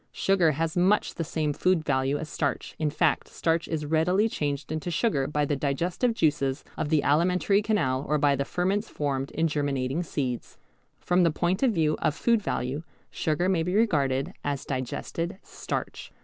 Sugar has much the same food value as starch, in fact starch is readily changed into sugar by the digestive juices of the alimentary canal or by the ferments formed in germinating seeds. From the point of view of food value sugar may be regarded as digested starch.